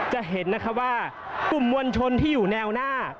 จะเห็นนะคะว่ากลุ่มมวลชนที่อยู่แนวหน้า